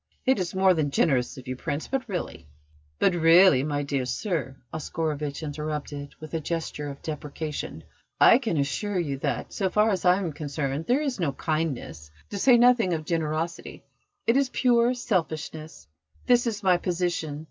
"It is more than generous of you, Prince, but really " "But really, my dear sir," Oscarovitch interrupted, with a gesture of deprecation, "I can assure you that, so far as I am concerned, there is no kindness, to say nothing of generosity. It is pure selfishness. This is my position.